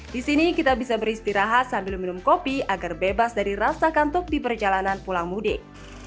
di sini kita bisa beristirahat sambil minum kopi agar bebas dari rasa kantuk di perjalanan pulang mudik